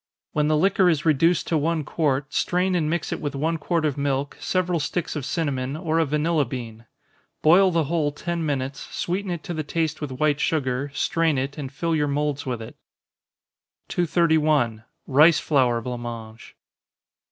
When the liquor is reduced to one quart, strain and mix it with one quart of milk, several sticks of cinnamon, or a vanilla bean. Boil the whole ten minutes, sweeten it to the taste with white sugar, strain it, and fill your moulds with it. 231. _Rice Flour Blanc Mange.